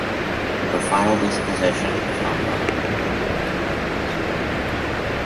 Her final disposition is unknown.